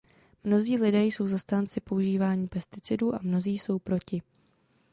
Mnozí lidé jsou zástanci používání pesticidů a mnozí jsou proti.